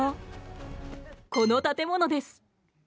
この建物です。